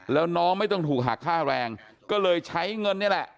แล้วน้องไม่ต้องถูกหักค่าแรงก็เลยใช้เงินนี่แหละ